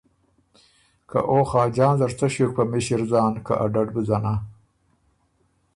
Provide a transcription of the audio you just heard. که او خاجان په څه ݭیوک په مِݭِر ځان که ا ډډ بُو ځنا۔